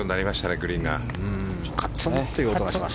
グリーンが。